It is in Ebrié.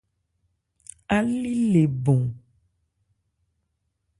Álí le bɔn.